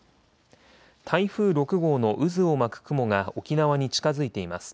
台風６号の渦を巻く雲が沖縄に近づいています。